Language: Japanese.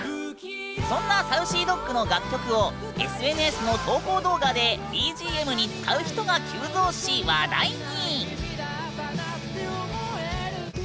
そんなＳａｕｃｙＤｏｇの楽曲をＳＮＳの投稿動画でＢＧＭに使う人が急増し話題に！